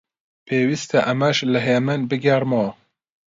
پێویستە ئەمەش لە هێمن بگێڕمەوە: